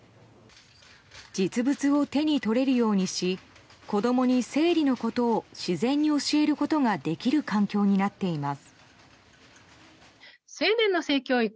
実物を手に取れるようにし子供に生理のことを自然に教えることができる環境になっています。